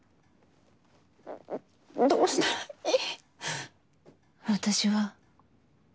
どうしたらいい？